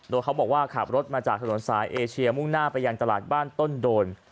โดยเขาบอกว่าขับรถมาจากถนนสายเอเชียมุ่งหน้าไปยังตลาดบ้านต้นโดน